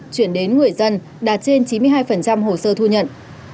chuyển đến người dân đạt trên chín mươi hai hồ sơ thu nhận